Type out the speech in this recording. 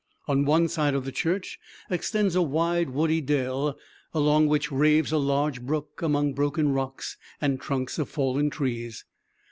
On one side of the church extends a wide woody dell, along which raves a large brook among broken rocks and trunks of fallen trees.